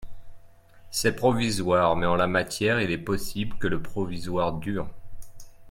C’est provisoire mais en la matière il est possible que le provisoire dure.